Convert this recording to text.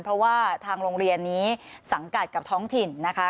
เพราะว่าทางโรงเรียนนี้สังกัดกับท้องถิ่นนะคะ